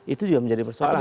itu juga menjadi persoalan